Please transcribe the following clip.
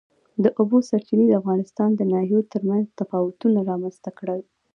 د اوبو سرچینې د افغانستان د ناحیو ترمنځ تفاوتونه رامنځ ته کوي.